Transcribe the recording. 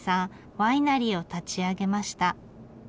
ワイナリーを立ち上げました。